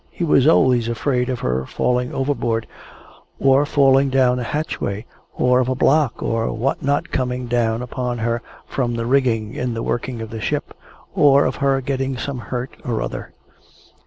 He was always afraid of her falling overboard, or falling down a hatchway, or of a block or what not coming down upon her from the rigging in the working of the ship, or of her getting some hurt or other.